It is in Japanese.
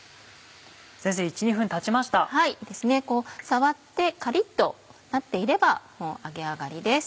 触ってカリっとなっていればもう揚げ上がりです。